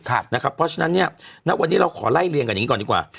เพราะฉะนั้นเนี่ยณวันนี้เราขอไล่เรียงกันอย่างนี้ก่อนดีกว่า